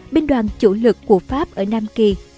binh đoàn chủ lực của pháp ở nam kỳ